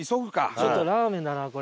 ちょっとラーメンだなこれ。